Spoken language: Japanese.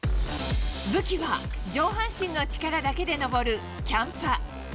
武器は上半身の力だけで登る、キャンパ。